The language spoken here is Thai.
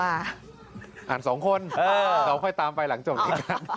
อ่านสองคนเราค่อยตามไปหลังจบนี้กัน